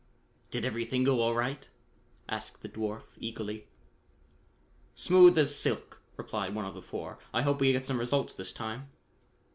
"Did everything go all right?" asked the dwarf eagerly. "Smooth as silk," replied one of the four. "I hope we get some results this time."